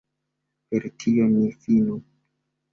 Per tio ni finu.